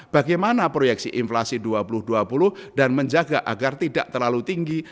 bagaimana proyeksi inflasi dua ribu dua puluh dan menjaga agar tidak terlalu tinggi